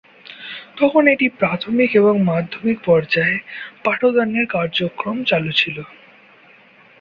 তখন এটি প্রাথমিক এবং মাধ্যমিক পর্যায়ে পাঠদান এর কার্যক্রম চালু ছিলো।